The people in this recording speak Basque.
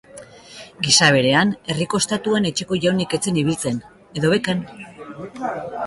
Gisa berean, herriko ostatuan etxeko jaunik ez zen ibiltzen, edo bekan!